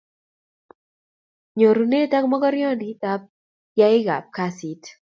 nyorunet ak makarnandit ap yaik ap kasit